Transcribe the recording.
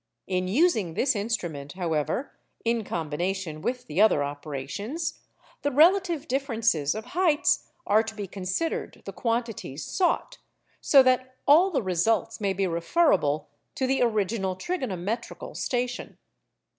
In using this instrument, however, in combination with the other operations, the relative differences of heights are to be considered the quantities sought, so that all the results may be referable to the original trigonometrical station.